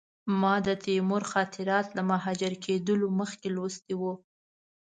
ما د تیمور خاطرات له مهاجر کېدلو مخکې لوستي وو.